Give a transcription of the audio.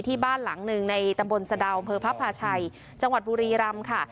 ที่บ้านหลังหนึ่งในตำบลสะดาวอำเภอพระพาชัยจังหวัดบุรีรำค่ะ